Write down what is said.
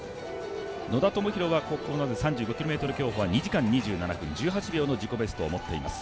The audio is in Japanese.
野田明宏は３５ｋｍ競歩は２時間２７分１８秒の自己ベストを持っています